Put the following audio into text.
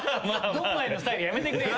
ドンマイのスタイルやめてくれよ。